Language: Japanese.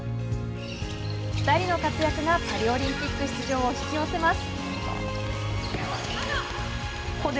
２人の活躍がパリオリンピック出場を引き寄せます。